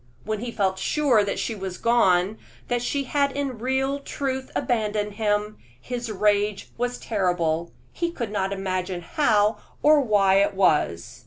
When he felt sure that she was gone, that she had in real truth abandoned him, his rage was terrible; he could not imagine how or why it was.